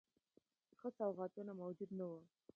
ښه سوغاتونه موجود نه وه.